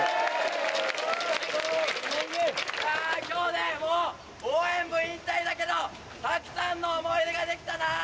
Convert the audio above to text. さぁ今日でもう応援部引退だけどたくさんの思い出ができたな！